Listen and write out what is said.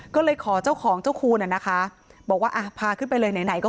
ก็เลยขอเจ้าของเจ้าคูณอ่ะนะคะบอกว่าอ่ะพาขึ้นไปเลยไหนไหนก็